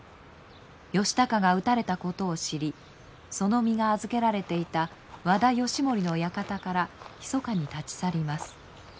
義高が討たれたことを知りその身が預けられていた和田義盛の館からひそかに立ち去ります。